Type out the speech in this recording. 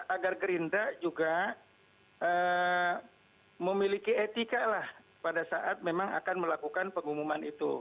agar gerindra juga memiliki etika lah pada saat memang akan melakukan pengumuman itu